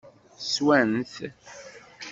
Swant-t?